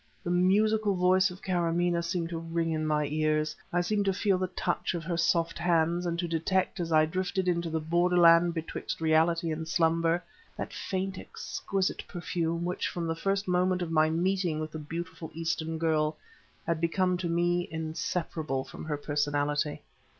The musical voice of Kâramaneh seemed to ring in my ears; I seemed to feel the touch of her soft hands and to detect, as I drifted into the borderland betwixt reality and slumber, that faint, exquisite perfume which from the first moment of my meeting with the beautiful Eastern girl, had become to me inseparable from her personality.